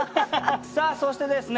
さあそしてですね